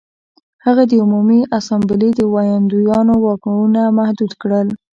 هغه د عمومي اسامبلې د ویاندویانو واکونه محدود کړل